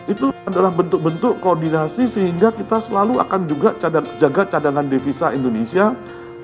itu adalah bentuk bentuk koordinasi sehingga kita selalu akan juga jaga cadangan devisa indonesia